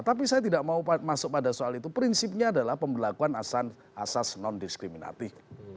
tapi saya tidak mau masuk pada soal itu prinsipnya adalah pembelakuan asas non diskriminatif